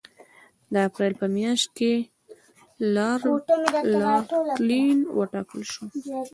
د اپرېل په میاشت کې لارډ لیټن وټاکل شو.